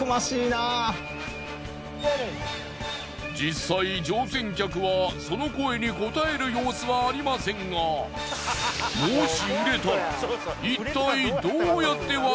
実際乗船客はその声にこたえる様子はありませんがもし。